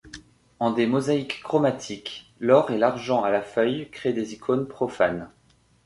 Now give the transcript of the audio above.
En des mosaïques chromatiques, l'or et l'argent à la feuille créent des icônes profanes.